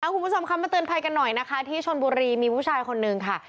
คุณผู้ชมคะมาเตือนภัยกันหน่อยนะคะที่ชนบุรีมีผู้ชายคนนึงค่ะ